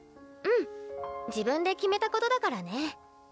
うん自分で決めたことだからね。